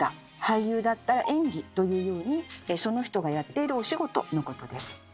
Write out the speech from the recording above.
俳優だったら「演技」というようにその人がやっているお仕事のことです。